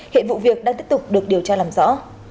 hiện vụ việc đang tiếp tục được điều tra làm rõ